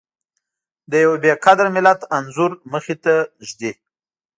د يوه بې قدره ملت انځور مخې ته ږدي.